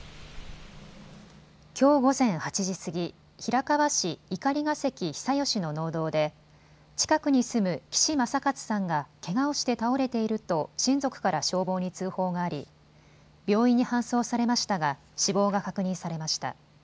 きょう午前８時過ぎ、平川市碇ヶ関久吉の農道で近くに住む岸柾勝さんが、けがをして倒れていると親族から消防に通報があり病院に搬送されましたが死亡が確認されました。